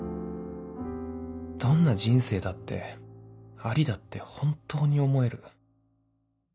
どんな人生だってありだって本当に思える